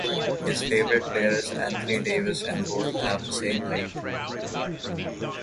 His favorite player is Anthony Davis as both have the same height.